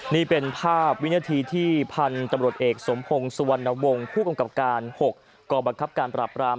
นี่เป็นภาพวินาทีที่พันธุ์ตำรวจเอกสมพงศ์สุวรรณวงศ์ผู้กำกับการ๖กรบังคับการปราบราม